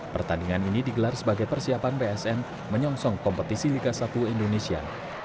pertandingan ini digelar sebagai persiapan bsn menyongsong kompetisi liga satu indonesia